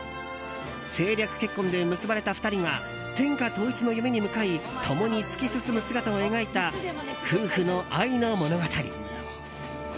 政略結婚で結ばれた２人が天下統一の夢に向かい共に突き進む姿を描いた夫婦の愛の物語。